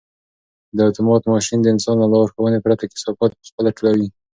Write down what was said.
دا اتومات ماشین د انسان له لارښوونې پرته کثافات په خپله ټولوي.